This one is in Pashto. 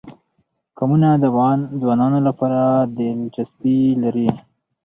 قومونه د افغان ځوانانو لپاره دلچسپي لري.